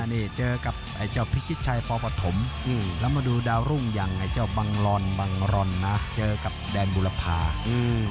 นี่เจอกับไอ้เจ้าพิชิตชัยปปฐมอืมแล้วมาดูดาวรุ่งอย่างไอ้เจ้าบังลอนบังรอนนะเจอกับแดนบุรพาอืม